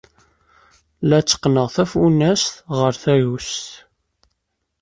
La tteqqneɣ tafunast ɣer tagust.